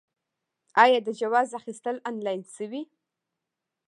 آیا د جواز اخیستل آنلاین شوي؟